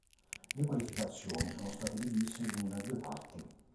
Le qualificazioni sono state divise in due parti.